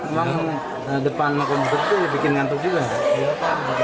emang depan mengundur itu bikin ngantuk juga